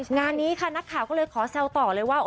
งานนี้ค่ะนักข่าวก็เลยขอแซวต่อเลยว่า